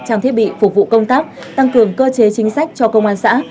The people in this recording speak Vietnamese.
trang thiết bị phục vụ công tác tăng cường cơ chế chính sách cho công an xã